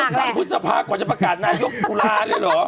เราเลือกตั้งพุทธภาคกว่าจะประกาศนายกตุลาเลยหรอ